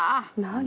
何？